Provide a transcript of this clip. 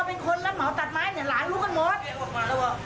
เราเป็นคนรัฐเหมาตัดไม้เนี่ยหลายรู้กันหมด